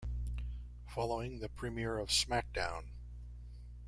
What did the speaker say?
Following the premiere of SmackDown!